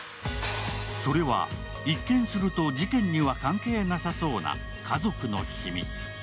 それは、一見すると事件には関係なさそうな家族の秘密。